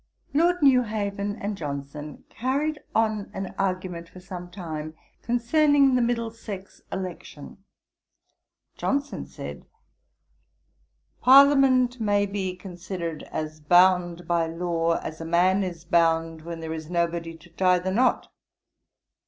Lord Newhaven and Johnson carried on an argument for some time, concerning the Middlesex election. Johnson said, 'Parliament may be considered as bound by law as a man is bound where there is nobody to tie the knot.